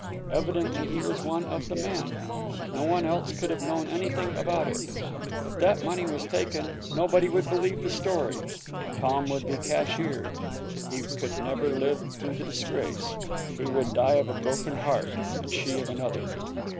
Evidently he was one of the men. No one else could have known anything about it. If that money was taken, nobody would believe the story; Tom would be cashiered; he never could live through the disgrace; he would die of a broken heart, and she of another.